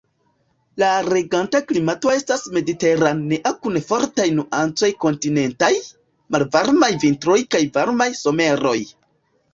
La reganta klimato estas mediteranea kun fortaj nuancoj kontinentaj; malvarmaj vintroj kaj varmaj someroj.